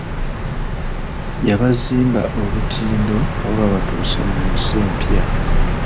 Yabazimba olutindo olwabatuusa mu nsi empya.